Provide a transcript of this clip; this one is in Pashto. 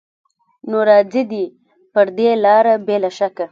نو راځي دې پر دې لاره بې له شکه